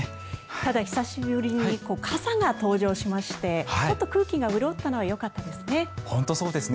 ただ、久しぶりに傘が登場しましてちょっと空気が潤ったのはよかったですね。